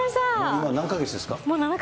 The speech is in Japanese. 今、何か月ですか。